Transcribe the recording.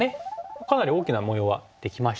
かなり大きな模様はできました。